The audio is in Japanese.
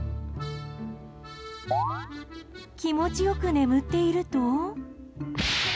気持ち良く眠っていると。